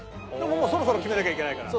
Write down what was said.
もうそろそろ決めなきゃいけないから。